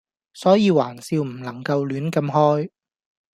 所以玩笑唔能夠亂咁開